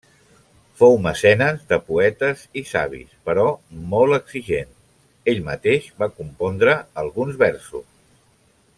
Fou mecenes de poetes i savis, però molt exigent; ell mateix va compondre alguns versos.